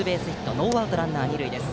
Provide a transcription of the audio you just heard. ノーアウトランナー、二塁です。